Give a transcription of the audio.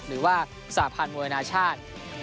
หรือว่าสาพันธ์มวยอนาชาติ